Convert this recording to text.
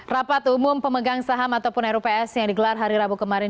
rapat umum pemegang saham ataupun rups yang digelar hari rabu kemarin